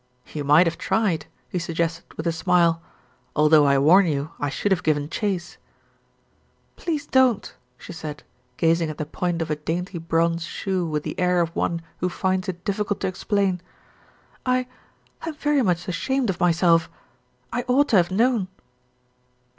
"You might have tried," he suggested with a smile, "although I warn you I should have given chase." "Please don't," she said, gazing at the point of a dainty bronze shoe with the air of one who finds it difficult to explain. "I I'm very much ashamed of myself. I ought to have known."